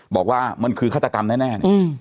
บอกว่ามันคือฆาตกรรมแน่